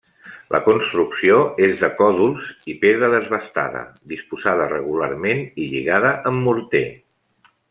La construcció és de còdols i pedra desbastada, disposada regularment i lligada amb morter.